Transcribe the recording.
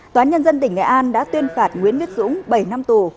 tòa án nhân dân tỉnh nghệ an đã tuyên phạt nguyễn viết dũng bảy năm tù